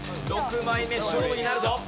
６枚目勝負になるぞ。